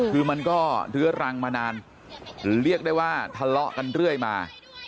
คือมันก็เรื้อรังมานานเรียกได้ว่าทะเลาะกันเรื่อยมา